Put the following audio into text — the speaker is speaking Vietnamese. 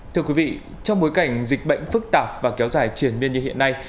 thưa quý vị trong bối cảnh dịch bệnh phức tạp và kéo dài triển miên như hiện nay